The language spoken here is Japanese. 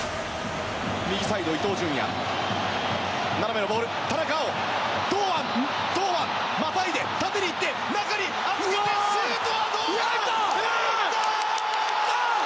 右サイド、伊東純也斜めのボール、田中碧堂安、またいで縦に行って、中に預けてシュート！